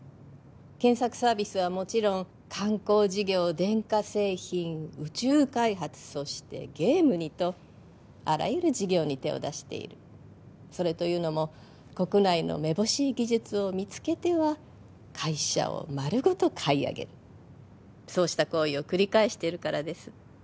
検索サービスはもちろん観光事業電化製品宇宙開発そしてゲームにとあらゆる事業に手を出しているそれというのも国内のめぼしい技術を見つけては会社を丸ごと買い上げるそうした行為を繰り返しているからです